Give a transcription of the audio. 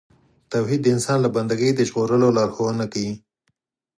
توحید د انسان له بندګۍ د ژغورلو لارښوونه کوي.